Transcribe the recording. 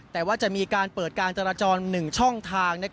แต่ว่าจะมีการเปิดการจราจร๑ช่องทาง